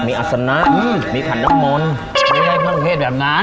มีอัศนะอืมมีผันมลไม่ใช่เครื่องเท็กแบบนั้น